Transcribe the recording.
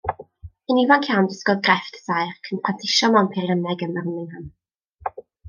Yn ifanc iawn dysgodd grefft y saer, cyn prentisio mewn peirianneg ym Mirmingham.